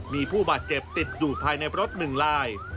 มีผู้บาดเจ็บติดอยู่ภายในรถ๑ลาย